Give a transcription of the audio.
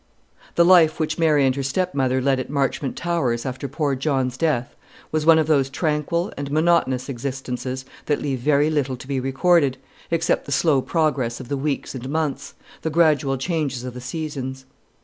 The life which Mary and her stepmother led at Marchmont Towers after poor John's death was one of those tranquil and monotonous existences that leave very little to be recorded, except the slow progress of the weeks and months, the gradual changes of the seasons.